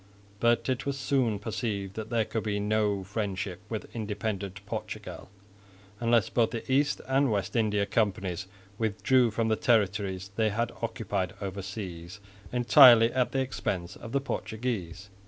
But it was soon perceived that there could be no friendship with independent Portugal, unless both the East and West India Companies withdrew from the territories they had occupied overseas entirely at the expense of the Portuguese.